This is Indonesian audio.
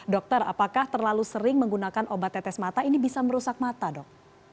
dokter apakah terlalu sering menggunakan obat tetes mata ini bisa merusak mata dok